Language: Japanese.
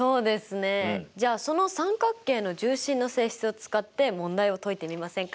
じゃあその三角形の重心の性質を使って問題を解いてみませんか？